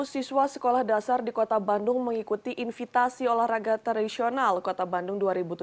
dua ratus siswa sekolah dasar di kota bandung mengikuti invitasi olahraga tradisional kota bandung dua ribu tujuh belas